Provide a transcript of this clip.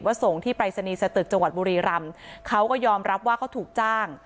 ส่งที่ปรายศนีย์สตึกจังหวัดบุรีรำเขาก็ยอมรับว่าเขาถูกจ้าง